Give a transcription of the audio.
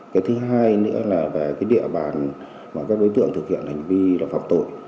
cái thứ hai nữa là về cái địa bàn mà các đối tượng thực hiện hành vi là phạm tội